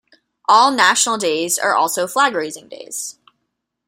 All National Days are also Flag Raising Days.